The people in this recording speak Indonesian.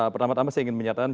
pertama tama saya ingin menyatakan